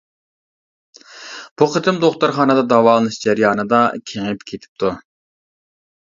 بۇ قېتىم دوختۇرخانىدا داۋالىنىش جەريانىدا كېڭىيىپ كېتىپتۇ.